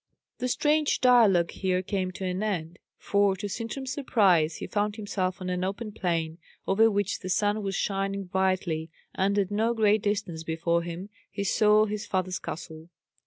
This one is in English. The strange dialogue here came to an end; for to Sintram's surprise he found himself on an open plain, over which the sun was shining brightly, and at no great distance before him he saw his father's castle.